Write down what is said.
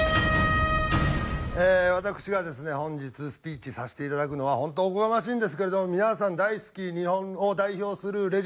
私がですね本日スピーチさせていただくのは本当おこがましいんですけれども皆さん大好き日本を代表するレジェンド藤子